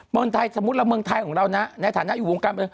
เมืองไทยสมมุติเราเมืองไทยของเรานะในฐานะอยู่วงการบัน